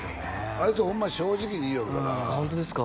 あいつホンマに正直に言いよるからホントですか？